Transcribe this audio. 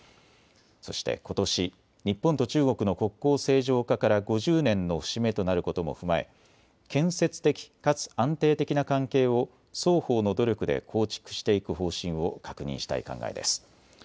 そして、ことし日本と中国の国交正常化から５０年の節目となることも踏まえ建設的かつ安定的な関係を双方の努力で構築していく方針を確認したい考えです。